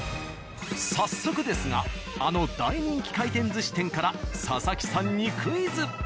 早速ですがあの大人気回転寿司店から佐々木さんにクイズ。